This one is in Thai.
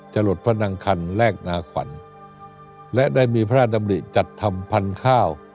จรดพระนางคันแรกนาขวัญและได้มีพระราชดำริจัดทำพันธุ์ข้าว